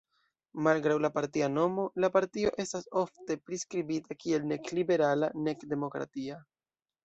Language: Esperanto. Malgraŭ la partia nomo, la partio estas ofte priskribita kiel "nek liberala nek demokratia.